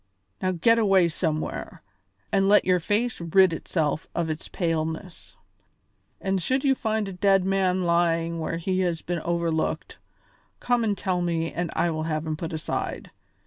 Now get away somewhere, and let your face rid itself of its paleness; and should you find a dead man lying where he has been overlooked, come and tell me and I will have him put aside.